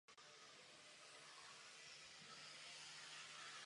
Jorge Lorenzo nemohl pro zranění nastoupit do domácí velké ceny.